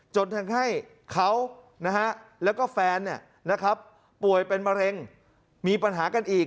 จนทำให้เขาแล้วก็แฟนป่วยเป็นมะเร็งมีปัญหากันอีก